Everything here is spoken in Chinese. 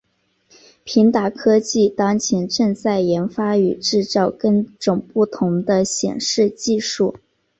平达科技当前正在研发与制造更种不同的显示技术。